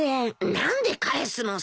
何で返すのさ。